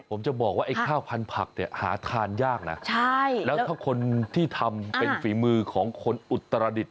ผมจะบอกว่าไอ้ข้าวพันธุ์ผักเนี่ยหาทานยากนะใช่แล้วถ้าคนที่ทำเป็นฝีมือของคนอุตรดิษฐ